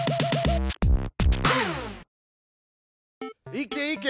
いけいけ！